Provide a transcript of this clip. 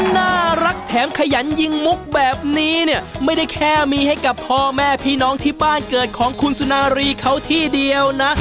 น่ารักแถมขยันยิงมุกแบบนี้เนี่ยไม่ได้แค่มีให้กับพ่อแม่พี่น้องที่บ้านเกิดของคุณสุนารีเขาที่เดียวนะ